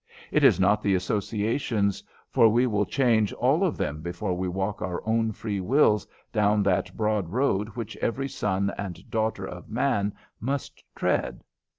It is not the associations, for we will change all of them before we walk of our own free wills down that broad road which every son and daughter of man must tread.